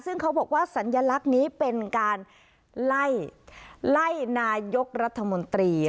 ซึ่งเขาบอกว่าสัญลักษณ์นี้เป็นการไล่นายกรัฐมนตรี